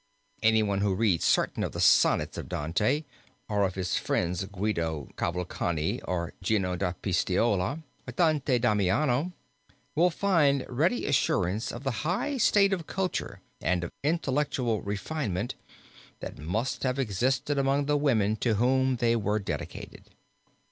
Anyone who reads certain of the sonnets of Dante, or of his friends Guido Cavalcanti or Gino da Pistoia or Dante da Maiano, will find ready assurance of the high state of culture and of intellectual refinement that must have existed among the women to whom they were dedicated.